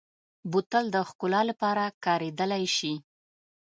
بوتل د ښکلا لپاره کارېدلی شي.